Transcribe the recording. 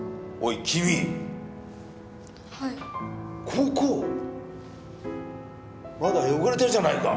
ここまだ汚れてるじゃないか。